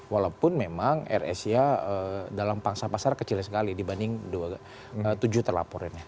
walaupun memang air asia dalam pangsa pasar kecil sekali dibanding tujuh terlapor ini